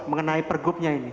mengenai per gubnya ini